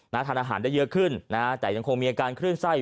การอาหารได้เยอะขึ้นแต่ยังคงมีอาการขึ้นไส้